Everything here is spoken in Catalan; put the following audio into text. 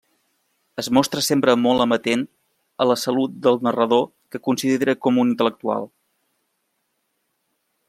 Es mostra sempre molt amatent a la salut del narrador que considera com un intel·lectual.